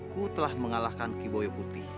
aku telah mengalahkan kiboyo putih